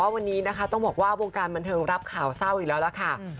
วันนี้ต้องบอกว่าวงการบันเทิงรับข่าวเศร้าอีกแล้ว